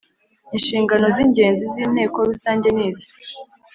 Inshingano z ingenzi z Inteko Rusange ni izi